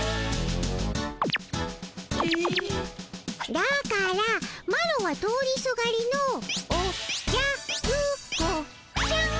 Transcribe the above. だからマロは通りすがりのおじゃる子ちゃん。